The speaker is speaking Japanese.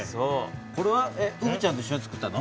これはうぶちゃんと一しょにつくったの？